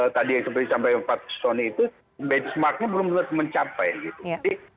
tadi yang seperti sampai empat person itu benchmarknya belum mencapai gitu